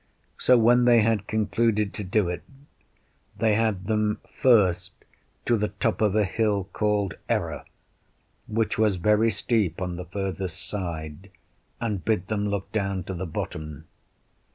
So when they had concluded to do it, they had them first to the top of a hill called Error, which was very steep on the furthest side, and bid them look down to the bottom.